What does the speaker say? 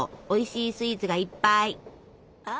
おいしいスイーツがいっぱい！